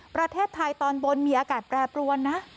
ประเทศไทยตอนบนมีอากาศแปรปรวนนะ